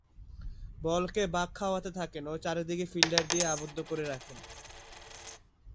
বলকে বাঁক খাওয়াতে থাকেন ও চারদিকে ফিল্ডার দিয়ে আবদ্ধ করে রাখেন।